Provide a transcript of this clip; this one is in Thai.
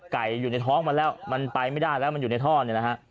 อยู่ในท้องมันแล้วมันไปไม่ได้แล้วมันอยู่ในท่อเนี่ยนะฮะ